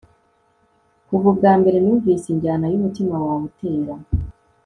kuva ubwambere numvise injyana yumutima wawe utera